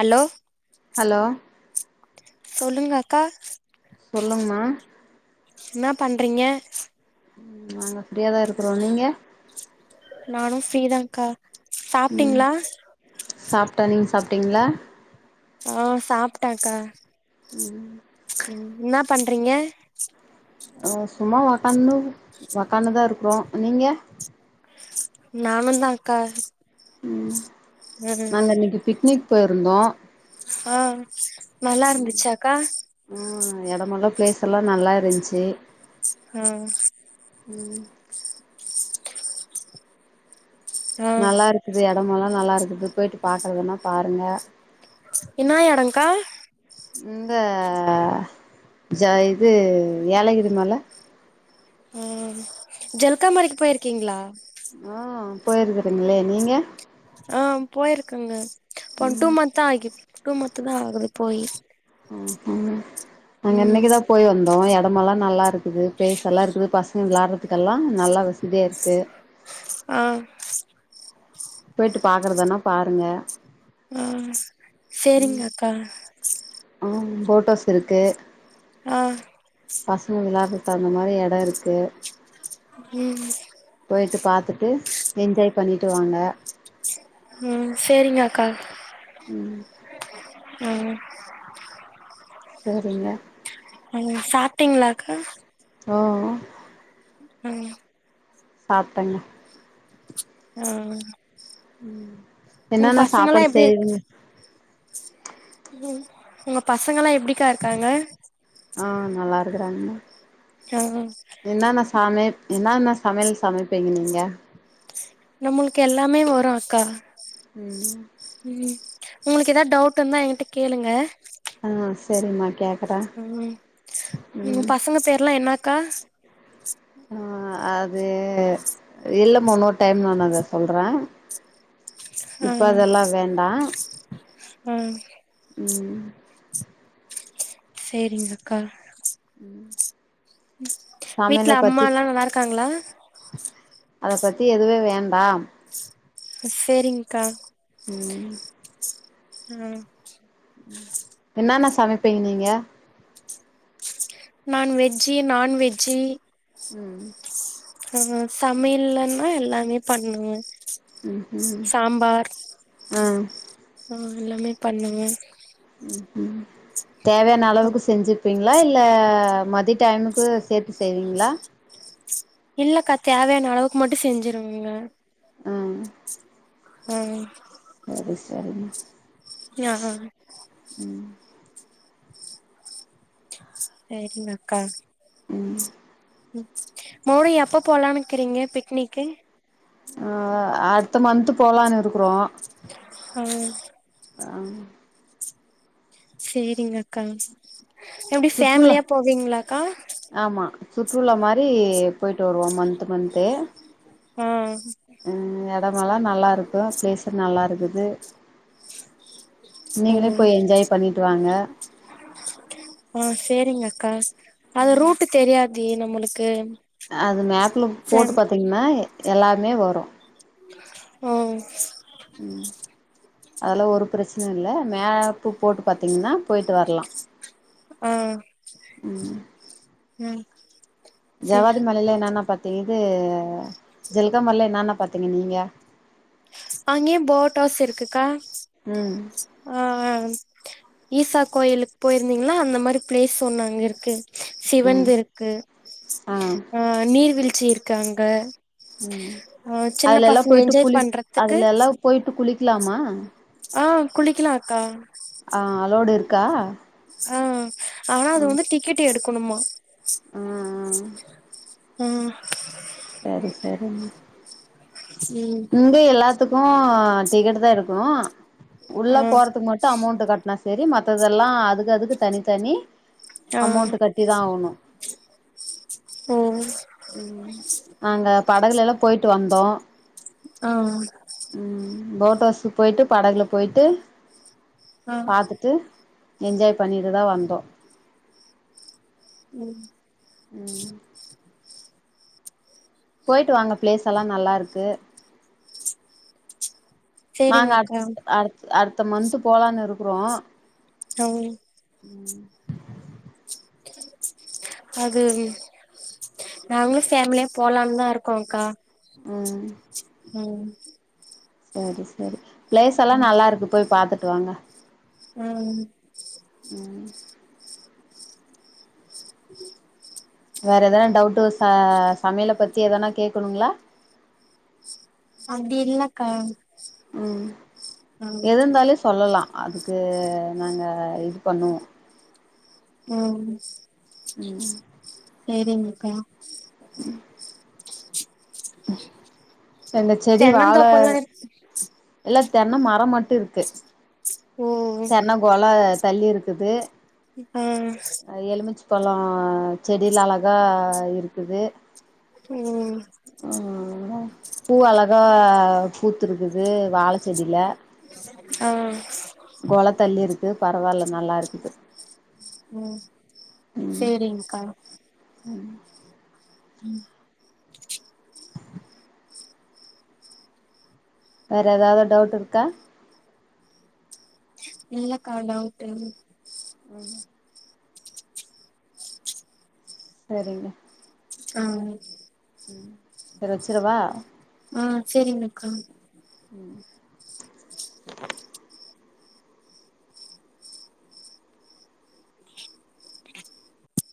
allow hello சொல்லுங்க‌ அக்கா சொல்லுங்மா என்ன பண்றீங்க நாங்க ஃப்ரீயா தா இருக்குறோ நீங்க நானு ஃப்ரீதாங்க்கா சாப்ட்டீங்ளா சாப்ட்டோ நீங் சாப்டீங்ளா ஆ சாப்ட்டங்க்கா ம் ம் இன்னா பண்றீங்க ஆ சும்மா ஒக்காந்து ஒக்காந்து தா இருக்குறோ நீங்க நானுந்தாக்கா ம் நாங்க இன்னக்கி பிக்னிக் போயிருந்தோ ஆ நல்லா இருந்துச்சாக்கா ஆ எடமெல்லா ப்ளேஸெல்லா நல்லா இருந்ச்சு ஆ ம் ஆ நல்லா இருக்குது எடமெல்லா நல்லா இருக்குது போய்ட்டு பாக்கறதுனா பாருங்க இன்னா எடங்க்கா இந்த ஜ இது ஏலகிரி மல ஆ ஜல்காமறைக்கு போய்ருக்கீங்ளா ஆ போய்ருக்கே ஆ போய்ருக்கங்க இப்ப வந் டூ மந்த்தா ஆகிக்கு டூ மத்து தா ஆகுது போயி ம் ம் நாங்க ம் இன்னைக்குதா போய் வந்தோ எடமெல்லா நல்லா இருக்குது ப்ளேஸெல்லா இருக்குது பச ங்க வெளாட்றதுக்கெல்லா நல்லா வசதியா இருக்கு ஆ போய்ட்டு பாக்கறதுனா பாருங்க ஆ சேரிங்க அக்கா ஆம் ஃபோட்டோஸ் இருக்கு ஆ பசங்க விளாட்றதுக்கு தகுந்த மாரி எட இருக்கு ம் போய்ட்டு பாத்துட்டு என்ஜாய் பண்ணிட்டு வாங்க ம் சேரிங்கக்கா ம் ம் சரிங்க ம் சாட்டீங்ளாக்கா ஓ ஒ ம் சாப்டங்க ம் ம் என்னன்ன சாப்பாடு எப்டி இருக்கு செய்வீங்க ம் உங்க பசங்கள்லா எப்டிக்கா இருக்காங்க ம் நல்லா இருக்குறாங்க ஆ இன்னன்ன சமையல் இன்னன்ன சமையல் சமைப்பீங்க நீங்க நம்ளுக்கு எல்லாமே வரும் அக்கா ம் ம் ம் உங்ளுக்கு எதா டவுட்டுந்தா என்ட்ட கேளுங்க ம் ம் சரிமா கேக் ம் உங்க பசங்க பேர்லா என்னாக்கா ம் அது இல்லமா இன்னொர் டைம் நான் அத சொல்ற இப்ப அதெல்லா வேண்டா ம் ம் செரிங்கக்கா ம் வீட்ல அம்மால்லா நல்லா இருக்காங்களா அத பத்தி எதுவே வேண்டாம் செரிங்க்கா ம் ம் என்னான்னா சமைப்பீங் நீங்க நான் வெஜ்ஜி நான்வெஜ்ஜி ம் ம் அ அ சமைல்லன்னா எல்லாமே பண்ணுவ ம் ம் சாம்பார் ஆ அ எல்லாமே பண்ணுவே ம் ம் தேவயான அளவுக்கு செஞ்சுப்பீங்ளா இல்ல மதித் டைமுக்கு சேத்து செய்வீங்ளா இல்லக்கா தேவயான அளவுக்கு மட்டு செஞ்சிருவ்ங்க ம் ஆ அது சரிங் யா ஆ ம் தெர்லக்கா ம் மோடி எப்ப போலான்னுக்கிறீங்க பிக்னிக்கு ம் அ அடுத்த மந்த்து போலான் இருக்குறோ ம் அம் செரிங்கக்கா எப்டி சுற்றுலா ஃபேமிலியா போவீங்ளாக்கா ஆமா சுற்றுலா மாரி போய்ட்டு வருவோ மன்த்து மன்த்து அம் ம் எடமல்லா நல்லா இருக்கு பிளேஸ்சும் நல்லா இருக்குது நீங்ளே போய் என்ஜாய் பண்ணிட்டு வாங்க ஆன் செரிங்கக்கா அது ரூட்டு தெரியாதே நம்மளுக்கு அது மேப்ல போட்டு சம் பாத்தீங்ன்னா எல்லாமே வரோ ம் ம் அதுல்லா ஒரு ப்ரச்சன இல்ல மேப்பு போட்டு பாத்தீங்ன்னா போய்ட்டு வர்லா அம் ம் ம் சரி ஜவ்வாது மலைல என்னன்னா பாத்தீங்க இது ஜல்க மல்ல என்னன்னா பாத்தீங் நீங்க அங்யு போட் ஹவுஸ் இருக்குக்கா ம் ஆ ஆ ஈசா கோயிலுக்கு போய்ர்ந்தீங்ளா அந்த மாரி ப்ளேஸ் ஒன்னு அங்க இருக்கு ம் சிவன்து இருக்கு ஆ அ நீர்வீழ்ச்சி இருக்கு அங்க ம் ஆ சின்ன அதுலல்லா பசங்க போய்ட்டு என்ஜாய் குளி பண்றதுக்கு அதுல எல்லா போய்ட்டு குளிக்லாமா ஆன் குளிக்கலாக்கா ஆ அலோவ்டு இருக்கா ஆன் ஆனா அது ம் வந்து டிக்கெட் எடுக்குணுமா ஆ ஆ ம் செரி செரி ம் ம் க்கு எல்லாத்துக்கு டிக்கெட்டுதா எடுக்குணும் உள்ள ஆ போறதுக்கு மட்டும் அமௌண்ட்டு கட் னா சரி மத்ததெல்லா அதுக்கு அதுக்கு தனி தனி அமௌண்ட்டு கட்டிதா ஆவுணும் ஒ ம் நாங்க படகுலயெல்லா போயிட்டு வந்தோம் அ ம் போட்ஹவுஸ்க்கு போயிட்டு படகுல போயிட்டு ஆ பாத்துட் ட்டு என்ஜாய் பண்ணிட்டுதா வந்தோம் ம் ம் போயிட்டு வாங்க பிளேஸ்ஸெல்லா நல்லாருக்கு சேரிங்க நாங்க அடுத் அக்கா அடுத் அடுத்த மந்த்து போலான் இருக்குறோ ஓ ம் அது நாங்களும் ஃபேம்லியா போலான்தா இருக்கோம்கா ம் ம் சரி சரி பிளேஸ் எல்லா ம் நல்லா இருக்கு போய் பாத்துட்டு வாங்க ம் ம் வேற எதனா டவுட்டு ச சமையல பத்தி எதனா கேக்கணுங்ளா அப்டி இல்லக்கா ம் ம் எது இருந்தாலு சொல்லலா அதுக்கு நாங்க இது பண்ணுவோ ம் ம் செரிங்கக்கா ம் அந்த செடி வாழ தென்னந்தோப்பல்லா இரு இல்ல தென்ன மரோ மட்டு இருக்கு ஓ தென்ன கொல தள்ளி இருக்குது இப்ப அ எலுமிச்ச பழோ ஆ செடில அழகா இருக்குது ம் ம் அதா பூ அழகா பூத்துருக்குது வாழ செடில ஆ கொலத் தள்ளிருக்கு பரவால்ல நல்லா இருக்குது ம் செரிங்க்கா ம் ம் வேற ஏதாது டவுட்டு இருக்கா இல்லக்கா டவுட்டு ம் சரிங்க ஆ ம் செரி வச்சிரவா ஆ செரிங்கக்கா ம்